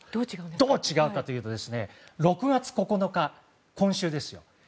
どう違うかといいますと６月９日、今週ですよ。